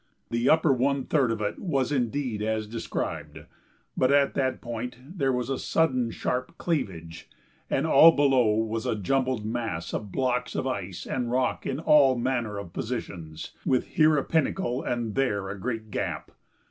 The upper one third of it was indeed as described, but at that point there was a sudden sharp cleavage, and all below was a jumbled mass of blocks of ice and rock in all manner of positions, with here a pinnacle and there a great gap.